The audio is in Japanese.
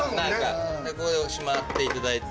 でこれをしまっていただいて。